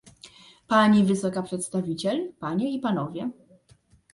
Pani wysoka przedstawiciel, panie i panowie